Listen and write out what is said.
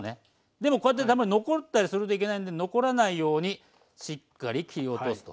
でもこうやって残ったりするといけないんで残らないようにしっかり切り落とすと。